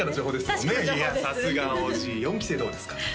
さすがＯＧ４期生どうですか？